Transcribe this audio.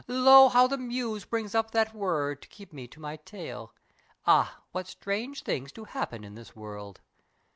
—lo, how the Muse Brings up that word to keep me to my tale! Ah! what strange things do happen in this world!